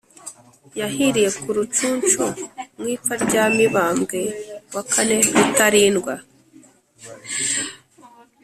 yahiriye ku rucuncu, mu ipfa rya mibambwe iv rutarindwa.